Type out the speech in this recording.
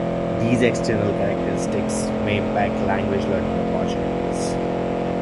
These external characteristics may impact language learning opportunities.